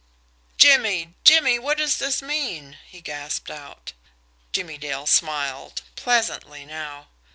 "Jimmie Jimmie what does this mean?" he gasped out. Jimmie Dale smiled pleasantly now.